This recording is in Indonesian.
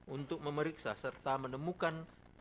untuk memeriksa serta menemukan